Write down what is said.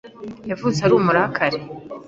Yavutse ari umurakare